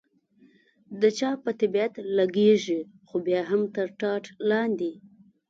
د چا په طبیعت لګېږي، خو بیا هم تر ټاټ لاندې.